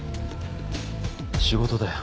仕事だよ。